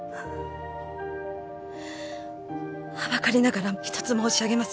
はばかりながら一つ申し上げます。